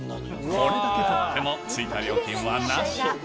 これだけ取っても追加料金はなし。